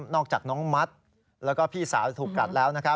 จากน้องมัดแล้วก็พี่สาวถูกกัดแล้ว